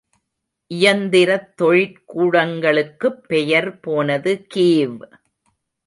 இயந்திரத் தொழிற் கூடங்களுக்குப் பெயர் போனது கீவ்.